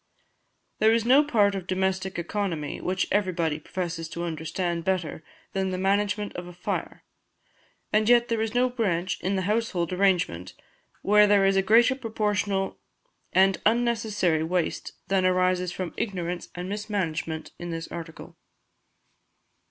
There is no part of domestic economy which everybody professes to understand better than the management of a fire, and yet there is no branch in the household arrangement where there is a greater proportional and unnecessary waste than arises from ignorance and mismanagement in this article.